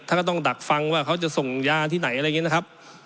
ก็ต้องดักฟังว่าเขาจะส่งยาที่ไหนอะไรอย่างนี้นะครับ